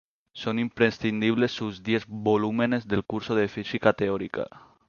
Son imprescindibles sus diez volúmenes del "Curso de Física Teórica".